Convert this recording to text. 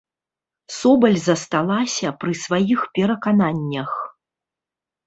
Собаль засталася пры сваіх перакананнях.